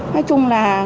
nói chung là